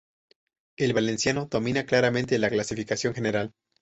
El valenciano domina claramente la clasificación general.